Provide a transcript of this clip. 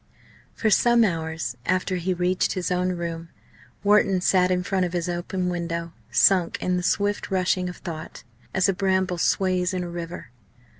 For some hours after he reached his own room, Wharton sat in front of his open window, sunk in the swift rushing of thought, as a bramble sways in a river.